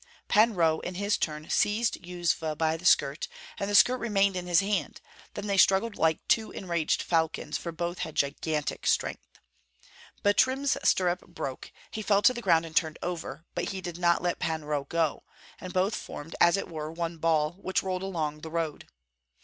Pan Roh in his turn seized Yuzva by the skirt, and the skirt remained in his hand; then they struggled like two enraged falcons, for both had gigantic strength. Butrym's stirrup broke; he fell to the ground and turned over, but he did not let Pan Roh go, and both formed as it were one ball, which rolled along the road.